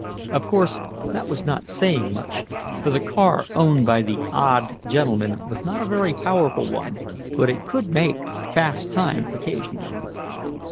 Of course that was not saying much, for the car owned by the odd gentleman was not a very powerful one, but it could make fast time occasionally.